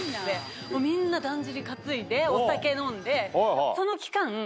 みんなだんじり担いでお酒飲んで。